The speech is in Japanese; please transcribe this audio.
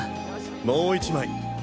もう１枚！